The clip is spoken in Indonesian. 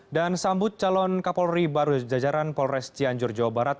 dan sambut calon kapolri baru jajaran polres cianjur jawa barat